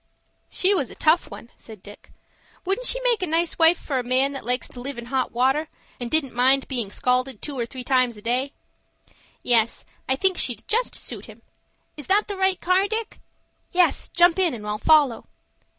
"She was a tough one," said Dick. "Wouldn't she make a nice wife for a man that likes to live in hot water, and didn't mind bein' scalded two or three times a day?" "Yes, I think she'd just suit him. Is that the right car, Dick?" "Yes, jump in, and I'll follow."